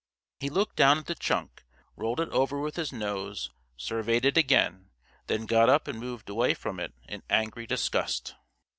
He looked down at the chunk, rolled it over with his nose, surveyed it again, then got up and moved away from it in angry disgust.